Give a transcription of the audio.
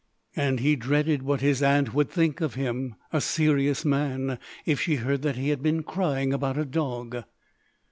And he dreaded what his Aunt would think of him, a serious man, if she heard that he had been crying about a dog.